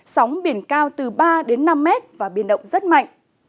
sóng biển cao từ ba năm m và biển động rất mạnh